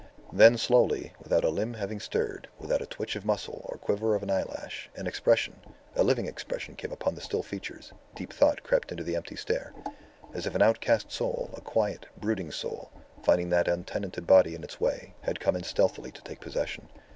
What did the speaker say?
Then slowly, without a limb having stirred, without a twitch of muscle or quiver of an eyelash, an expression, a living expression came upon the still features, deep thought crept into the empty stare as if an outcast soul, a quiet, brooding soul, finding that untenanted body in its way, had come in stealthily to take possession.